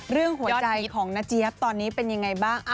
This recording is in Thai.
เรื่องหัวใจของน้าเจี๊ยบตอนนี้เป็นยังไงบ้าง